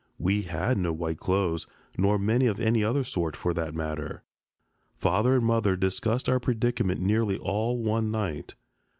We had no white clothes, nor many of any other sort, for that matter. Father and mother discussed our predicament nearly all one night.